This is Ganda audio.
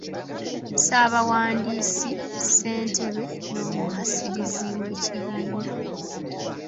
"Ssaabawandiisi, Ssentebe n'Omwasirizi w’Ekibiina."